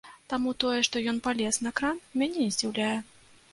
Таму тое, што ён палез на кран, мяне не здзіўляе.